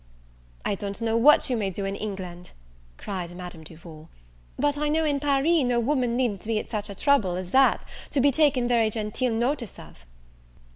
"I don't know what you may do in England," cried Madame Duval, "but I know in Paris no woman needn't be at such a trouble as that to be taken very genteel notice of."